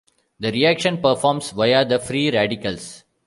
The reaction performs via the free radicals.